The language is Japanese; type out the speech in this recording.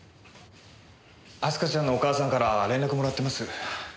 明日香ちゃんのお母さんから連絡もらってます。